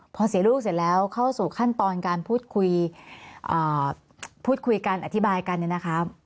พอเสียลูกเสร็จแล้วเข้าสู่ขั้นตอนการพูดคุยพูดคุยกันอธิบายกันเนี่ยนะคะ